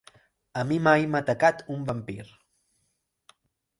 A mi mai m'ha atacat un vampir.